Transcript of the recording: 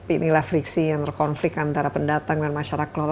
inilah friksi yang terkonflik antara pendatang dan masyarakat